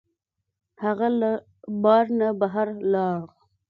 هغه له بار نه بهر لاړ.